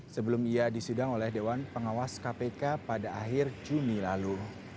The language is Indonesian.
sebelum ia disidang oleh dewan pengawas kpk pada akhir juni lalu